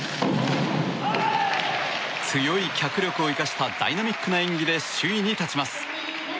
強い脚力を生かしたダイナミックな演技で首位に立ちます。